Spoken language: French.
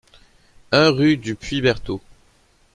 un rue du Puits Berthaud